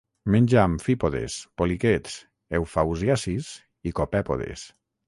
Menja amfípodes, poliquets, eufausiacis i copèpodes.